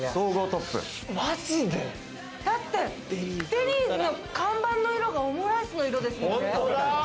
デニーズの看板の色がオムライスの色ですもんね。